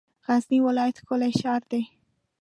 غزنی ولایت ښکلی شار دی.